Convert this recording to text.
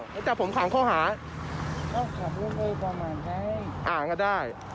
จะจับผมข้างเขาหา